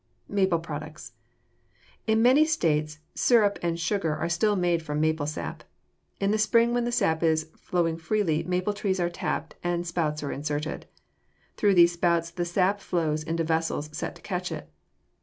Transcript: =Maple Products.= In many states sirup and sugar are still made from maple sap. In the spring when the sap is flowing freely maple trees are tapped and spouts are inserted. Through these spouts the sap flows into vessels set to catch it.